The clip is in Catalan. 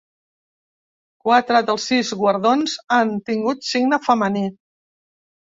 Quatre dels sis guardons han tingut signe femení.